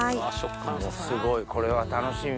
すごいこれは楽しみ。